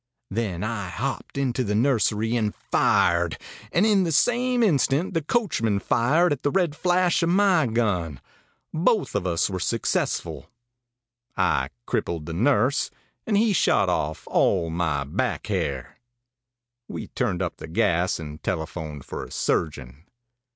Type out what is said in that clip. Then I hopped into the nursery and fired, and in the same instant the coachman fired at the red flash of my gun. Both of us were successful; I crippled a nurse, and he shot off all my back hair. We turned up the gas, and telephoned for a surgeon.